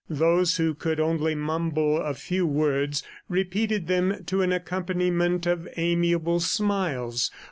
Those who could only mumble a few words, repeated them to an accompaniment of amiable smiles.